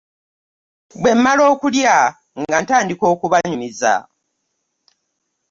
Bwe mmala okulya nga ntandika okubanyumiza.